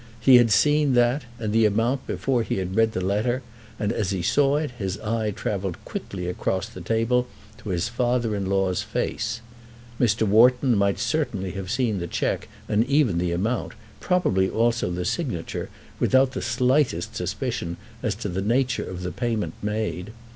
He had seen that and the amount before he had read the letter, and as he saw it his eye travelled quickly across the table to his father in law's face. Mr. Wharton might certainly have seen the cheque and even the amount, probably also the signature, without the slightest suspicion as to the nature of the payment made.